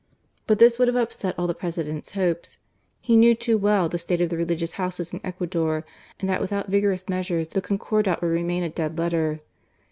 But this would have upset all the President's hopes. He knew too well the state of the religious houses in Ecuador, and that without vigorous measures, the Concordat would remain a dead letter.